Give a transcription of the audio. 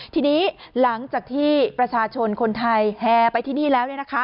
ทีนี้หลังจากที่ประชาชนคนไทยแห่ไปที่นี่แล้ว